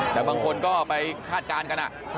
แต่บางคนก็ไปคาดการณ์กัน